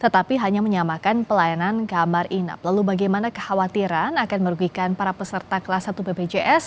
tim liputan kompas tv